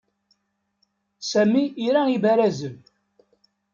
Sami ira ibarazen.